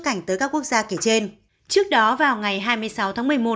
cảnh tới các quốc gia kể trên trước đó vào ngày hai mươi sáu tháng một mươi một